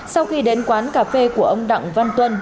sau khi đến quán cà phê của ông đặng văn tuân